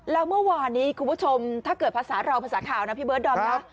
แล้วเมื่อวานนี้คุณผู้ชมถ้าเกิดภาษาเราภาษาข่าวนะพี่เบิร์ดดอมนะ